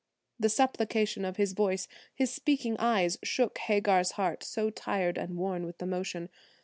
The supplication of his voice, his speaking eyes, shook Hagar's heart, so tired and worn with emotion.